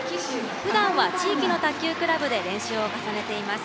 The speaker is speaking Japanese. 普段は地域の卓球クラブで練習を重ねています。